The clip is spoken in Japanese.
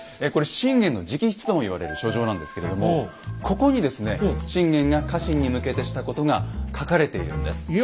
これ信玄の直筆とも言われる書状なんですけれどもここにですね信玄が家臣に向けてしたことが書かれているんです。